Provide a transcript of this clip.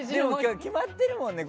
決まってるもんね